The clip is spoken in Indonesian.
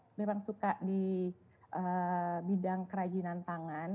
saya memang suka di bidang kerajinan tangan